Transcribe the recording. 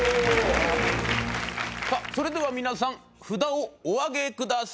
さあそれでは皆さん札をお上げください。